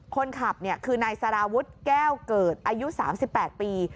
คนขับคือนายสารวุฒิแก้วเกิดอายุ๓๘ปี